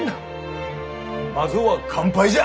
まずは乾杯じゃ！